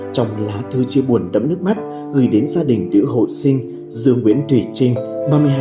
trong lá thư chia buồn đẫm nước mắt gửi đến gia đình nữ hội sinh dương nguyễn thủy trinh